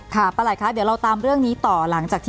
ค่ะประหลัดครับเดี๋ยวเราตามเรื่องนี้ต่อ